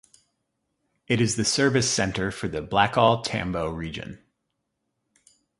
It is the service centre for the Blackall-Tambo Region.